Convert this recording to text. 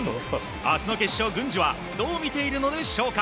明日の決勝、郡司はどう見ているのでしょうか。